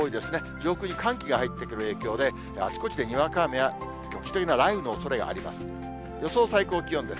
上空に寒気が入ってくる影響で、あちこちでにわか雨や局地的な雷雨のおそれがあります。